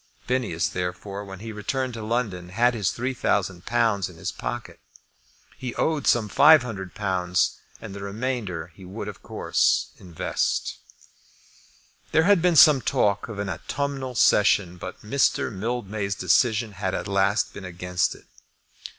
Phineas, therefore, when he returned to London, had his £3,000 in his pocket. He owed some £500; and the remainder he would, of course, invest. There had been some talk of an autumnal session, but Mr. Mildmay's decision had at last been against it.